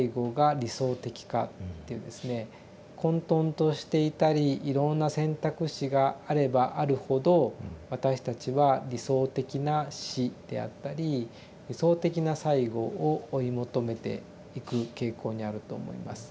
混とんとしていたりいろんな選択肢があればあるほど私たちは理想的な死であったり理想的な最期を追い求めていく傾向にあると思います。